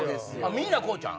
みんなこうちゃん？